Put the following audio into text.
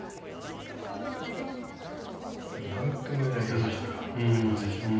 もう何ともいえない優しさがありますでしょう。